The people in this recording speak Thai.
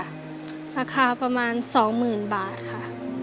ราคาประมาณ๒๐๐๐บาทค่ะ